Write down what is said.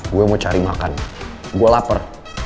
gue mau cari makan gue lapar